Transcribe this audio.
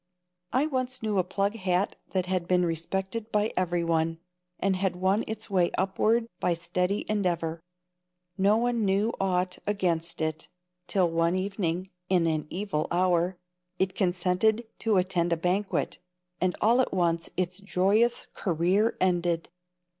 I once knew a plug hat that had been respected by everyone, and had won its way upward by steady endeavor. No one knew aught against it till one evening, in an evil hour, it consented to attend a banquet, and all at once its joyous career ended.